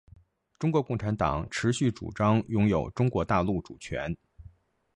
中国共产党持续主张拥有中国大陆主权。